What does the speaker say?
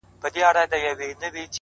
شعر اوس دومره کوچنی سوی دی ملگرو”